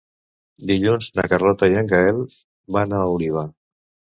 Dilluns na Carlota i en Gaël van a Oliva.